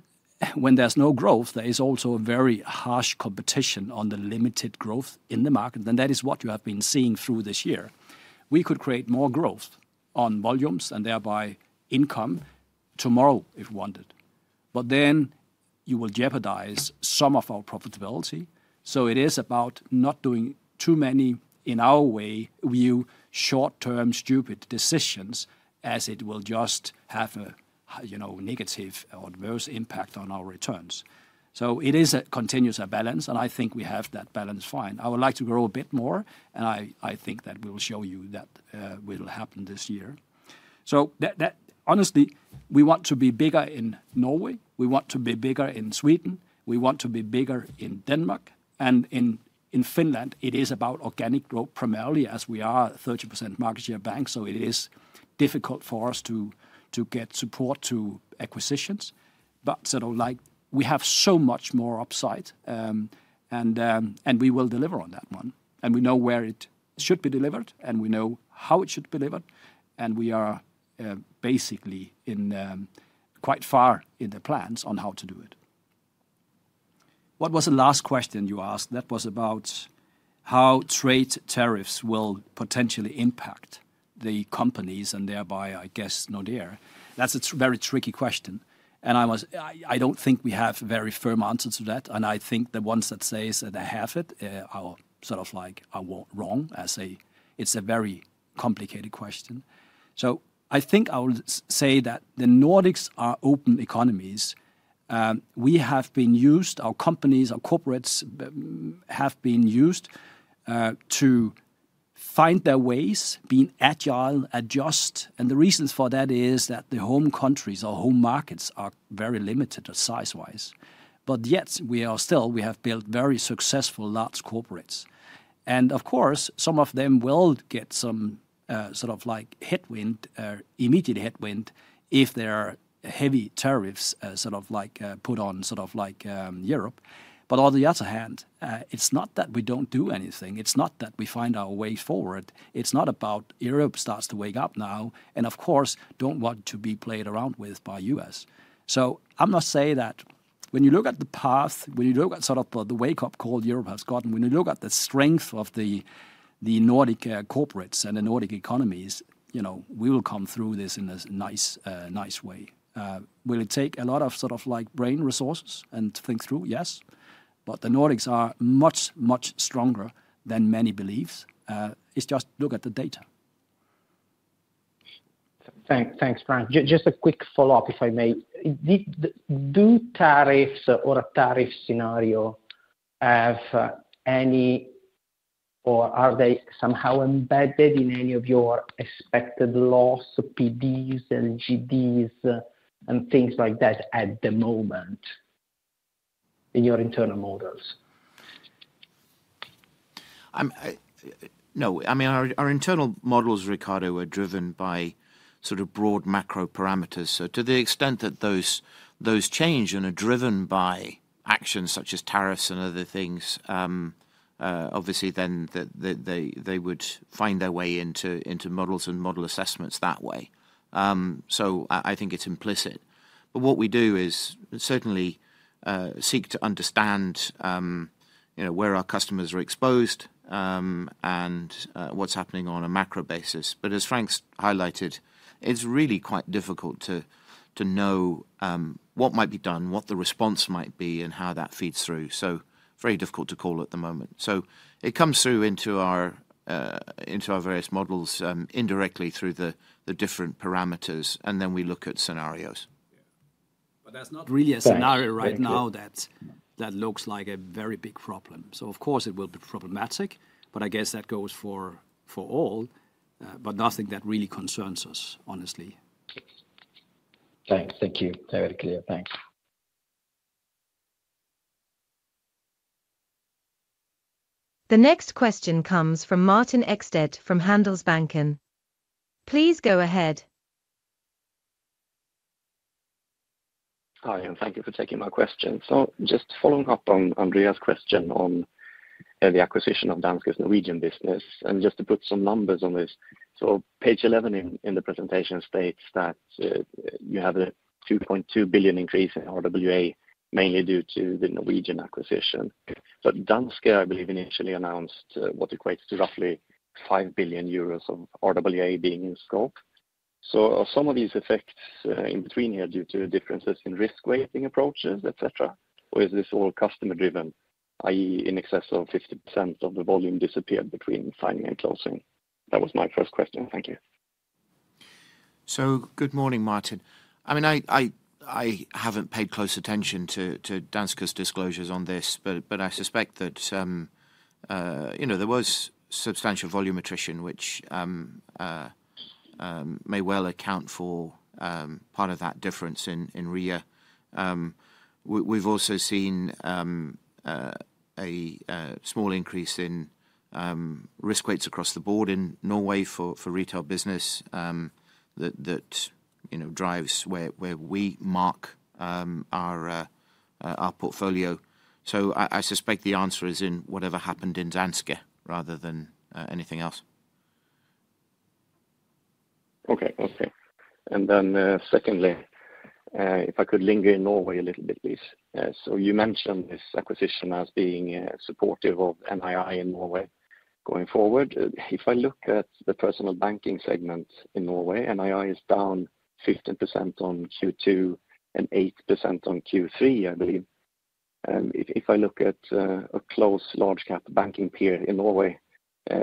Speaker 2: when there's no growth, there is also very harsh competition on the limited growth in the market. And that is what you have been seeing through this year. We could create more growth on volumes and thereby income tomorrow if wanted. But then you will jeopardize some of our profitability. So it is about not doing too many in our way view short-term stupid decisions as it will just have a negative or adverse impact on our returns. So it is a continuous balance, and I think we have that balance fine. I would like to grow a bit more, and I think that we will show you that will happen this year. So honestly, we want to be bigger in Norway. We want to be bigger in Sweden. We want to be bigger in Denmark. And in Finland, it is about organic growth primarily as we are a 30% market share bank. So it is difficult for us to get support to acquisitions. But we have so much more upside, and we will deliver on that one. And we know where it should be delivered, and we know how it should be delivered. We are basically quite far in the plans on how to do it. What was the last question you asked? That was about how trade tariffs will potentially impact the companies and thereby, I guess, Nordea. That's a very tricky question. I don't think we have very firm answers to that. I think the ones that say that they have it are sort of like wrong. It's a very complicated question. I think I will say that the Nordics are open economies. We have been used, our companies, our corporates have been used to find their ways, being agile, adjust. The reasons for that is that the home countries, our home markets are very limited size-wise. Yet, we have built very successful large corporates. And of course, some of them will get some sort of immediate headwind if there are heavy tariffs sort of put on sort of like Europe. But on the other hand, it's not that we don't do anything. It's not that we find our way forward. It's not about Europe starts to wake up now and, of course, don't want to be played around with by U.S. So I'm not saying that when you look at the path, when you look at sort of the wake-up call Europe has gotten, when you look at the strength of the Nordic corporates and the Nordic economies, we will come through this in a nice way. Will it take a lot of sort of brain resources and to think through? Yes. But the Nordics are much, much stronger than many believe. It's just look at the data. Thanks, Frank. Just a quick follow-up, if I may. Do tariffs or a tariff scenario have any, or are they somehow embedded in any of your expected loss, PDs and LGDs and things like that at the moment in your internal models? No. I mean, our internal models, Riccardo, are driven by sort of broad macro parameters. So to the extent that those change and are driven by actions such as tariffs and other things, obviously, then they would find their way into models and model assessments that way. So I think it's implicit. But what we do is certainly seek to understand where our customers are exposed and what's happening on a macro basis. But as Frank's highlighted, it's really quite difficult to know what might be done, what the response might be, and how that feeds through. So very difficult to call at the moment. So it comes through into our various models indirectly through the different parameters, and then we look at scenarios. But that's not really a scenario right now that looks like a very big problem. So of course, it will be problematic, but I guess that goes for all. But nothing that really concerns us, honestly. Thanks. Thank you. Very clear. Thanks. The next question comes from Martin Ekstedt from Handelsbanken. Please go ahead. Hi. And thank you for taking my question. So just following up on Andrea's question on the acquisition of Danske's Norwegian business. And just to put some numbers on this, so page 11 in the presentation states that you have a 2.2 billion increase in RWA, mainly due to the Norwegian acquisition. But Danske, I believe, initially announced what equates to roughly 5 billion euros of RWA being in scope. Are some of these effects in between here due to differences in risk-weighting approaches, etc.? Or is this all customer-driven, i.e., in excess of 50% of the volume disappeared between signing and closing? That was my first question. Thank you. Good morning, Martin. I mean, I haven't paid close attention to Danske's disclosures on this, but I suspect that there was substantial volume attrition, which may well account for part of that difference in RWA. We've also seen a small increase in risk weights across the board in Norway for retail business that drives where we mark our portfolio. So I suspect the answer is in whatever happened in Danske rather than anything else. Okay. Okay. And then secondly, if I could linger in Norway a little bit, please. So you mentioned this acquisition as being supportive of NII in Norway going forward. If I look at the Personal Banking segment in Norway, NII is down 15% on Q2 and 8% on Q3, I believe. If I look at a close large-cap banking peer in Norway,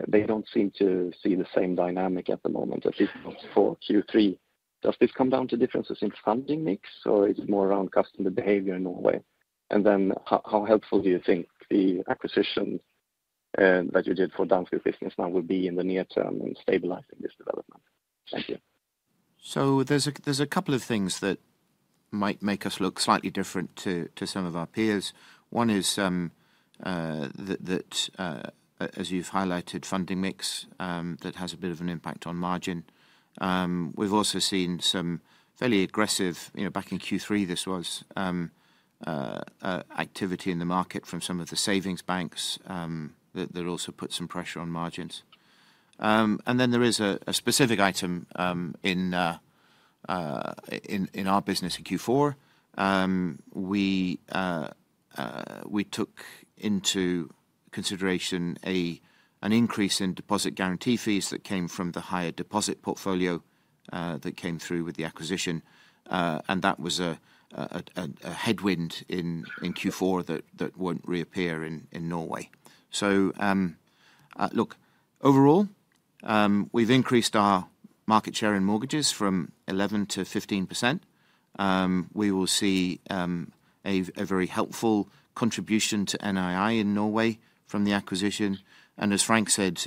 Speaker 2: they don't seem to see the same dynamic at the moment, at least for Q3. Does this come down to differences in funding mix, or is it more around customer behavior in Norway? And then how helpful do you think the acquisition that you did for Danske's business now will be in the near term in stabilizing this development? Thank you. So there's a couple of things that might make us look slightly different to some of our peers. One is that, as you've highlighted, funding mix that has a bit of an impact on margin. We've also seen some fairly aggressive activity back in Q3 in the market from some of the savings banks that also put some pressure on margins, and then there is a specific item in our business in Q4. We took into consideration an increase in deposit guarantee fees that came from the higher deposit portfolio that came through with the acquisition, and that was a headwind in Q4 that won't reappear in Norway, so look, overall, we've increased our market share in mortgages from 11% to 15%. We will see a very helpful contribution to NII in Norway from the acquisition, and as Frank said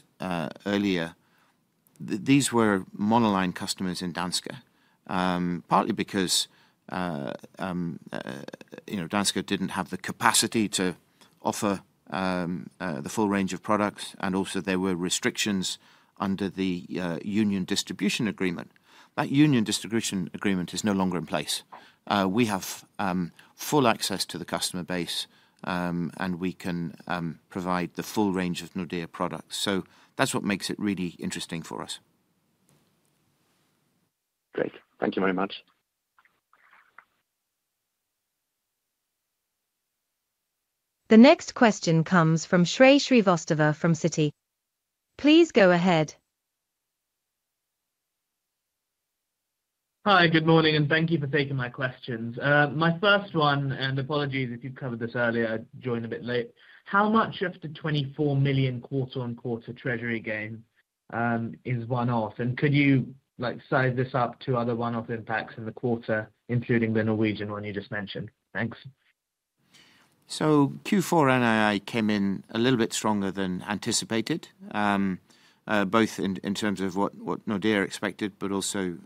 Speaker 2: earlier, these were monoline customers in Danske, partly because Danske didn't have the capacity to offer the full range of products, and also, there were restrictions under the joint distribution agreement. That joint distribution agreement is no longer in place. We have full access to the customer base, and we can provide the full range of Nordea products. So that's what makes it really interesting for us. Great. Thank you very much. The next question comes from Shrey Srivastava from Citi. Please go ahead. Hi, good morning, and thank you for taking my questions. My first one, and apologies if you've covered this earlier, I joined a bit late. How much of the 24 million quarter-on-quarter treasury gain is one-off? And could you size this up to other one-off impacts in the quarter, including the Norwegian one you just mentioned? Thanks. So Q4 NII came in a little bit stronger than anticipated, both in terms of what Nordea expected, but also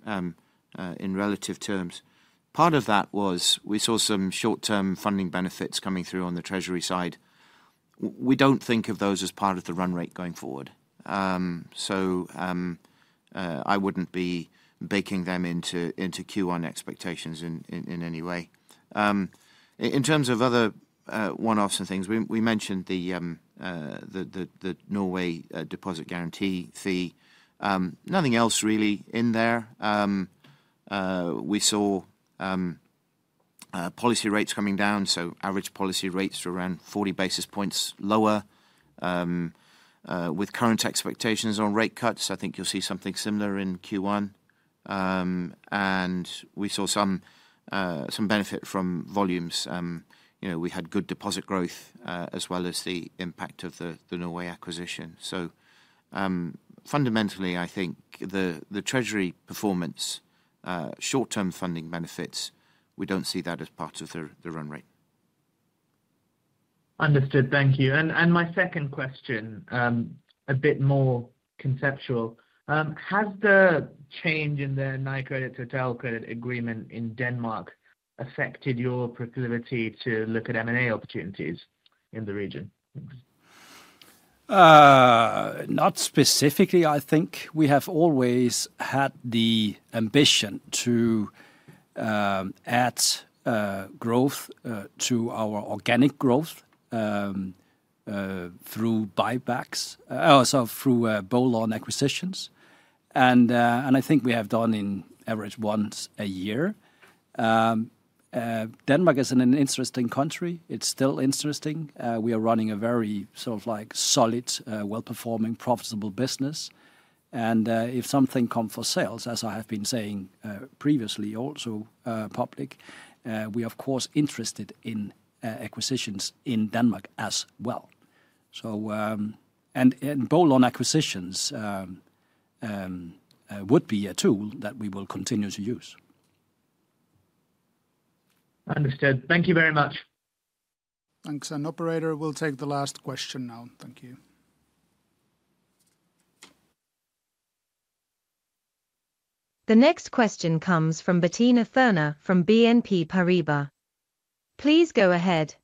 Speaker 2: in relative terms. Part of that was we saw some short-term funding benefits coming through on the treasury side. We don't think of those as part of the run rate going forward. So I wouldn't be baking them into Q1 expectations in any way. In terms of other one-offs and things, we mentioned the Norway deposit guarantee fee. Nothing else really in there. We saw policy rates coming down, so average policy rates to around 40 basis points lower with current expectations on rate cuts. I think you'll see something similar in Q1. And we saw some benefit from volumes. We had good deposit growth as well as the impact of the Norway acquisition. So fundamentally, I think the treasury performance, short-term funding benefits, we don't see that as part of the run rate. Understood. Thank you. And my second question, a bit more conceptual. Has the change in the Nykredit Totalkredit agreement in Denmark affected your proclivity to look at M&A opportunities in the region? Not specifically, I think. We have always had the ambition to add growth to our organic growth through buybacks or through bolt-on acquisitions. And I think we have done, on average, once a year. Denmark is an interesting country. It's still interesting. We are running a very solid, well-performing, profitable business. And if something comes up for sale, as I have been saying previously also publicly, we are, of course, interested in acquisitions in Denmark as well. And bolt-on acquisitions would be a tool that we will continue to use. Understood. Thank you very much. Thanks. And operator will take the last question now. Thank you. The next question comes from Bettina Thurner from BNP Paribas. Please go ahead.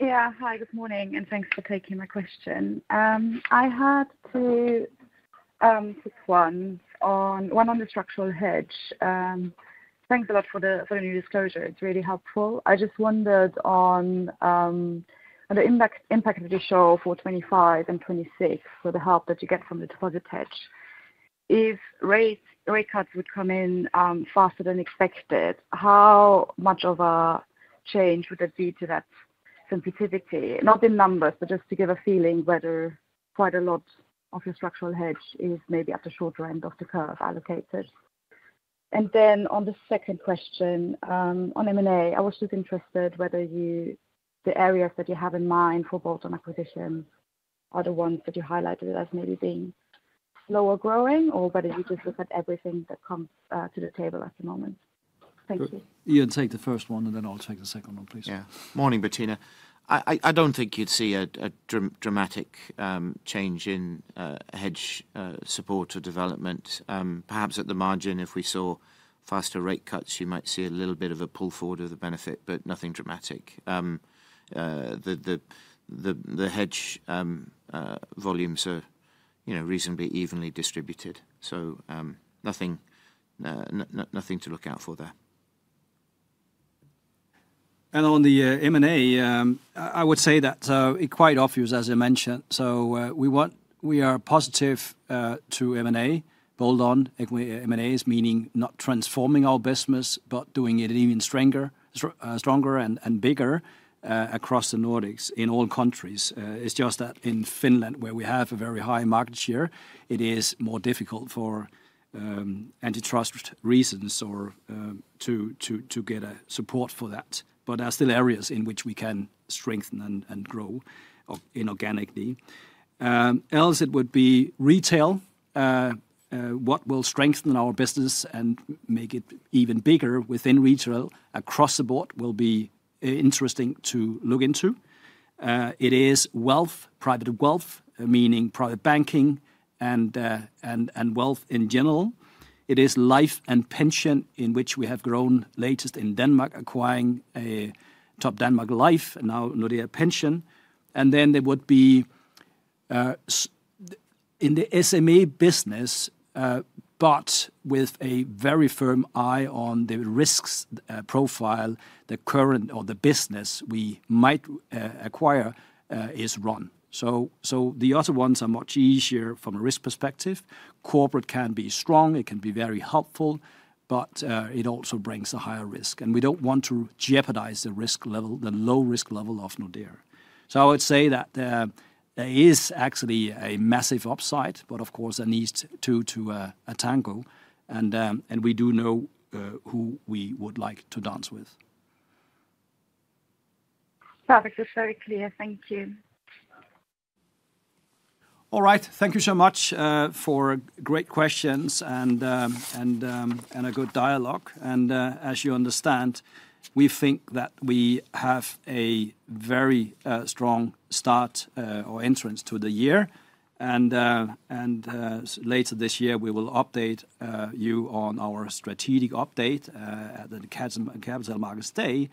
Speaker 2: Yeah. Hi, good morning, and thanks for taking my question. I had to pick one on the structural hedge. Thanks a lot for the new disclosure. It's really helpful. I just wondered on the impact of the slowdown for 2025 and 2026, so the help that you get from the deposit hedge, if rate cuts would come in faster than expected, how much of a change would that be to that sensitivity? Not in numbers, but just to give a feeling whether quite a lot of your structural hedge is maybe at the shorter end of the curve allocated. And then on the second question on M&A, I was just interested whether the areas that you have in mind for bolt-on acquisitions are the ones that you have highlighted as maybe being slower growing, or whether you just look at everything that comes to the table at the moment. Thank you. You can take the first one, and then I'll take the second one, please. Yeah. Morning, Bettina. I don't think you'd see a dramatic change in hedge support or development. Perhaps at the margin, if we saw faster rate cuts, you might see a little bit of a pull forward of the benefit, but nothing dramatic. The hedge volumes are reasonably evenly distributed, so nothing to look out for there. And on the M&A, I would say that it quite offers, as I mentioned. So we are positive to M&A, bolt-on M&As, meaning not transforming our business, but doing it even stronger and bigger across the Nordics in all countries. It's just that in Finland, where we have a very high market share, it is more difficult for antitrust reasons or to get support for that. But there are still areas in which we can strengthen and grow inorganically. Else, it would be retail. What will strengthen our business and make it even bigger within retail across the board will be interesting to look into. It is wealth, private wealth, meaning private banking and wealth in general. It is life and pension in which we have grown latest in Denmark, acquiring Topdanmark Life, now Nordea Pension. And then there would be in the SME business, but with a very firm eye on the risk profile, the current or the business we might acquire is run. So the other ones are much easier from a risk perspective. Corporate can be strong. It can be very helpful, but it also brings a higher risk. And we don't want to jeopardize the low risk level of Nordea. So I would say that there is actually a massive upside, but of course, there needs to tango. And we do know who we would like to dance with. Perfect. That's very clear. Thank you. All right. Thank you so much for great questions and a good dialogue. And as you understand, we think that we have a very strong start or entrance to the year. And later this year, we will update you on our strategic update at the Capital Markets Day.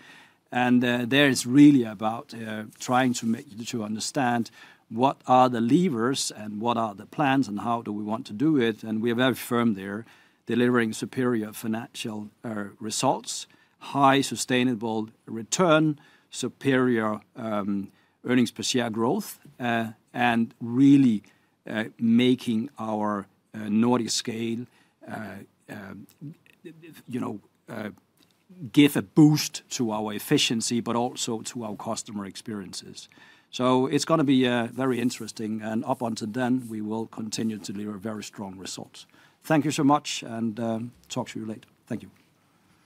Speaker 2: And there is really about trying to understand what are the levers and what are the plans and how do we want to do it. And we are very firm there, delivering superior financial results, high sustainable return, superior earnings per share growth, and really making our Nordic scale give a boost to our efficiency, but also to our customer experiences. So it's going to be very interesting. And up until then, we will continue to deliver very strong results. Thank you so much, and talk to you later. Thank you.